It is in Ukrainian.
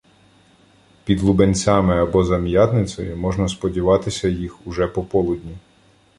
Під Лубенцями або Зам'ятницею можна сподіватися їх уже пополудні.